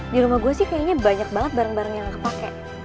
di rumah gue sih kayaknya banyak banget bareng bareng yang gak kepake